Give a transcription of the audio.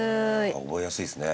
覚えやすいですね。